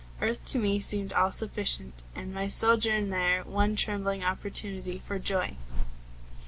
Earth to me Seemed all sufficient and my sojourn there One trembling opportunity for joy.